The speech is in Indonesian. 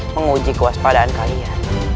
menguji kewaspadaan kalian